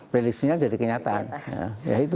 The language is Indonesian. prediksinya jadi kenyataan ya itu